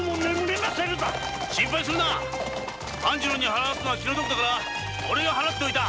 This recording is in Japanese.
半次郎に払わすのは気の毒だからオレが払っておいた。